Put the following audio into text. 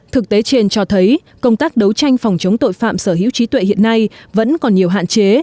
thực tế trên cho thấy công tác đấu tranh phòng chống tội phạm sở hữu trí tuệ hiện nay vẫn còn nhiều hạn chế